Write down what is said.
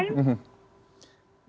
cara yang lain